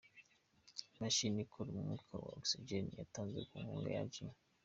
Imashini ikora umwuka wa Oxygen yatanzwe ku nkunga ya G.